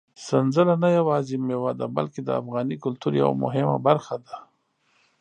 سنځله نه یوازې مېوه ده، بلکې د افغاني کلتور یوه مهمه برخه ده.